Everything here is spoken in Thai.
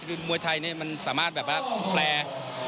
คือมวยไทยนี่มันสามารถแบบว่าแปล